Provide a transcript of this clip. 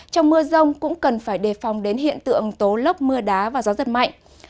trong mưa rông cũng cần phải đề phòng đến hiện tượng tố lốc mưa đá và gió giật mạnh